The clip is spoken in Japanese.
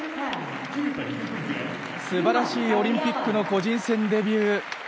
素晴らしいオリンピックの個人戦デビュー。